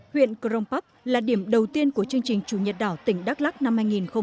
huyện crong park là điểm đầu tiên của chương trình chủ nhật đỏ tỉnh đắk lắc năm hai nghìn hai mươi